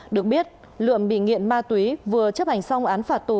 được biết lượm bị nghiện ma túy vừa chấp hành xong án phạt tù